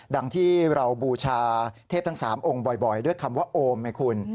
ดังที่เราบูชาเทพทั้ง๓องค์บ่อยด้วยคำว่าโอมไงคุณ